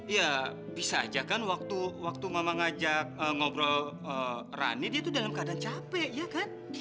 ya bisa aja kan waktu mama ngajak ngobrol rani dia tuh dalam keadaan capek ya kan